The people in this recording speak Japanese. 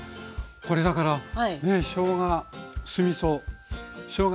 これだからしょうが酢みそしょうが